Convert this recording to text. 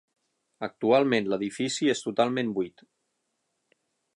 Actualment l'edifici és totalment buit.